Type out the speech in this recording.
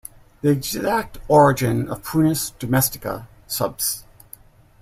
The exact origin of "Prunus domestica" subsp.